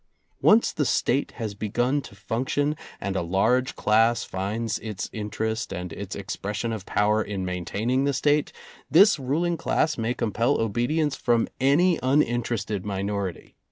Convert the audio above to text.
Once the State has begun to func tion, and a large class finds its interest and its expression of power in maintaining the State, this ruling class may compel obedience from any un interested minority.